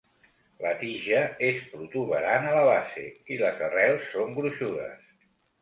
La tija és protuberant a la base i les arrels són gruixudes.